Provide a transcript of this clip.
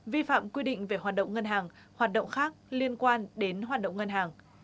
vi phạm quy định về hoạt động ngân hàng hoạt động khác liên quan đến hoạt động ngân hàng